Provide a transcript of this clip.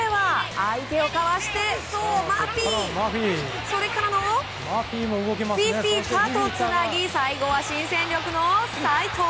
相手をかわして、マフィそれからのフィフィタとつなぎ最後は新戦力の齋藤。